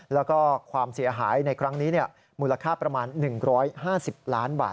แล้วก็ความเสียหายในครั้งนี้มูลค่าประมาณ๑๕๐ล้านบาท